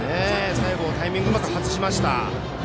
最後、タイミングをうまく外しました。